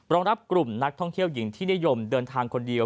รับกลุ่มนักท่องเที่ยวหญิงที่นิยมเดินทางคนเดียว